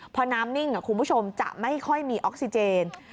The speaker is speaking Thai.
พอน้ำนิ่งคุณผู้ชมจะไม่ค่อยมีออกซิเจน